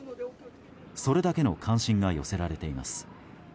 それだけの関心が寄せられています。